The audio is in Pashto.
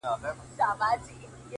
o زما ځوانمرگ وماته وايي ـ